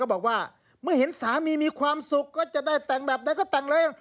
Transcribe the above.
บอกว่าเมื่อเห็นสามีมีความสุขก็จะได้แต่งแบบใดก็แต่งเลย